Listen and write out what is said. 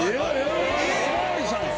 お巡りさんや。